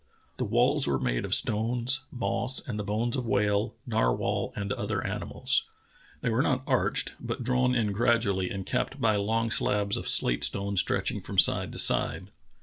The walls were made of stones, moss, and of the bones of whale, nar whal, and other animals. They were not arched, but drawn in gradually and capped by long slabs of slate stone stretching from side to side.